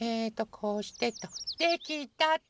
こうしてと。できたっと。